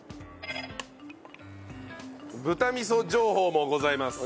豚味噌情報もございます。